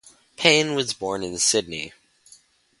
Payne was born in Sydney.